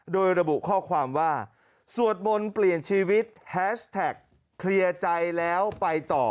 โดยระบุข้อความว่าสวดมนต์เปลี่ยนชีวิตแฮชแท็กเคลียร์ใจแล้วไปต่อ